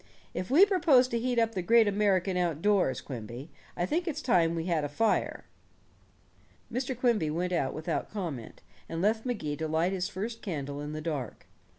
If we propose to heat up the great American outdoors, Quimby, I think it's time we had a fire." Mr. Quimby went out without comment, and left Magee to light his first candle in the dark.